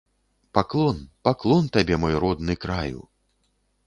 Паклон, паклон табе, мой родны краю!